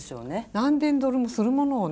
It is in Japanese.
何千ドルもするものをね。